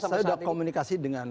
saya sudah komunikasi dengan